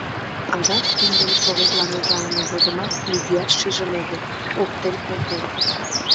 Адак киндым Советлан ужалыме годымат нигӧат шижын огыл, оптен колтен.